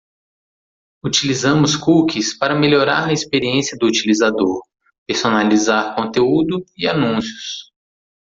Utilizamos cookies para melhorar a experiência do utilizador, personalizar conteúdo e anúncios.